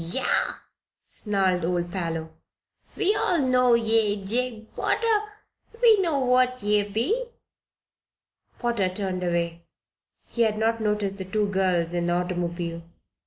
"Yah!" snarled old Parloe. "We all know ye, Jabe Potter. We know what ye be." Potter turned away. He had not noticed the two girls in the automobile.